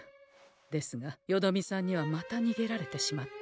ですがよどみさんにはまたにげられてしまった。